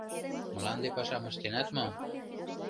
— Мланде пашам ыштенат мо?